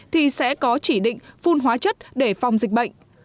thì sẽ có chỉ định phun hóa chất để phòng dịch bệnh